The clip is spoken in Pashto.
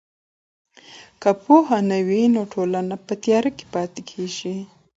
که پوهه نه وي نو ټولنه په تیاره کې پاتې کیږي.